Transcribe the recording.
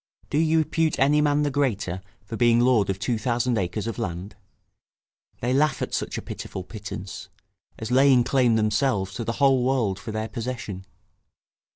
Do you repute any man the greater for being lord of two thousand acres of land? they laugh at such a pitiful pittance, as laying claim themselves to the whole world for their possession.